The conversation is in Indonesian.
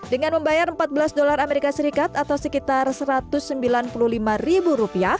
dengan membayar empat belas dolar amerika serikat atau sekitar rp satu ratus sembilan puluh lima